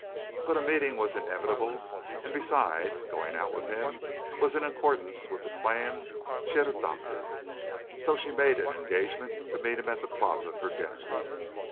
But a meeting was inevitable, and besides, going out with him was in accordance with the plan she had adopted. So she made an engagement to meet him at the Plaza for dinner.